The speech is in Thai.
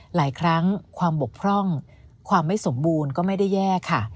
หลายครั้งความบกพร่องความไม่สมบูรณ์ก็ไม่ได้แย่ค่ะ